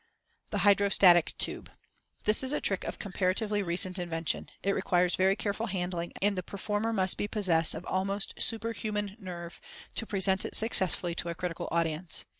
The Hydrostatic Tube.—This is a trick of comparatively recent invention. It requires very careful handling, and the performer must be possessed of almost superhuman nerve to present it successfully to a critical audience.